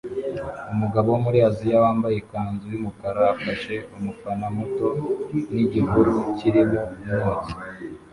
Umugabo wo muri Aziya wambaye ikanzu yumukara afashe umufana muto nigihuru kirimo umwotsi